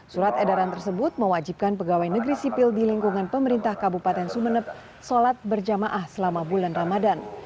surat edaran tersebut mewajibkan pegawai negeri sipil di lingkungan pemerintah kabupaten sumeneb sholat berjamaah selama bulan ramadan